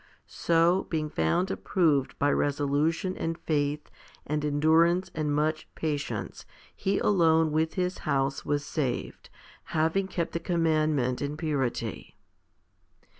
So, being found approved by resolution and faith and endurance and much patience, he alone with his house was saved, having kept the commandment in purity.